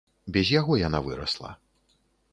Без яго яна вырасла.